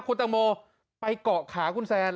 คุณตังโมไปเกาะขาคุณแซน